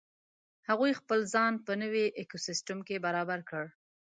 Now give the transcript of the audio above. هغوی خپل ځان په نوې ایکوسیستم کې برابر کړ.